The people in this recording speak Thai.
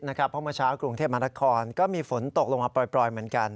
เพราะเมื่อเช้ากรุงเทพมหานครก็มีฝนตกลงมาปล่อยเหมือนกัน